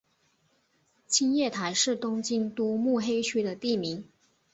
青叶台是东京都目黑区的地名。